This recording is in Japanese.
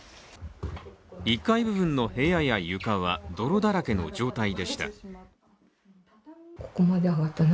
１階部分の部屋や床は泥だらけの状態でした。